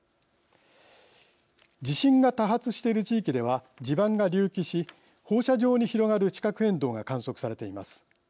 地震が多発している地域では地盤が隆起し、放射状に広がる地殻変動が観測されています。